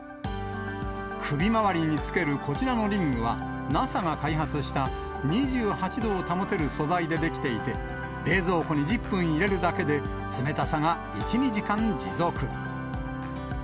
首周りにつけるこちらのリングは、ＮＡＳＡが開発した、２８度を保てる素材で出来ていて、冷蔵庫に１０分入れるだけで、冷たさが１、２時間持続。